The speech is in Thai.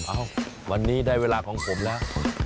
เอ้าวันนี้ได้เวลาของผมแล้ว